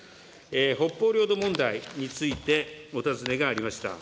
北方領土問題についてお尋ねがありました。